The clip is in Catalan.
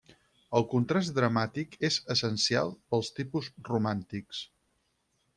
El contrast dramàtic és essencial pels tipus romàntics.